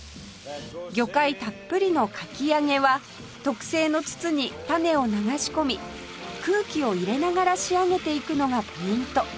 魚介たっぷりのかき揚げは特製の筒にタネを流し込み空気を入れながら仕上げていくのがポイント